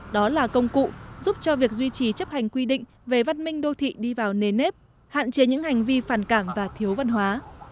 đó là công cụ giúp cho việc duy trì chấp hành quy định về văn minh đô thị đi vào nề nếp hạn chế những hành vi phản cảm và thiếu văn hóa